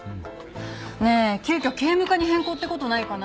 ねえ急きょ警務課に変更って事ないかな？